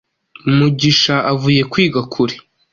Mugisha avuye kwiga kure